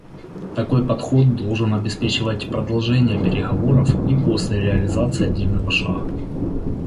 Такой подход должен обеспечивать продолжение переговоров и после реализации отдельного шага.